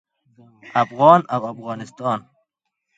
افغان او افغانستان